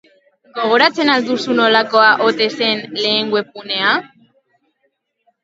Gogoratzen al duzu nolakoa ote zen gure lehen webgunea?